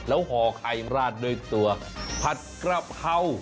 แล้วหอไข่ราดเนื่องจนผัดกับเขา